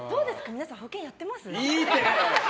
皆さん保険やってます？